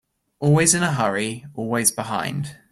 Always in a hurry, always behind.